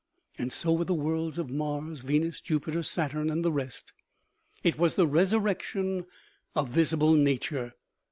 And so with the worlds of Mars, Venus, Jupiter, Saturn, and the rest. It was the resur rection of visible nature.